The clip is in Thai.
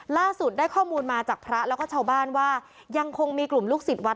ล่าสุดได้ข้อมูลมาจากพระแล้วก็ชาวบ้านว่ายังคงมีกลุ่มลูกศิษย์วัด